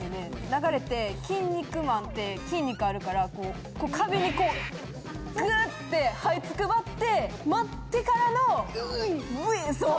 流れてキン肉マンって筋肉あるから壁にこうグってはいつくばって待ってからのそう！